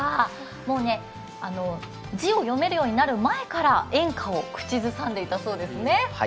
字を読めるようになる前から演歌を口ずさんでいたそうですね。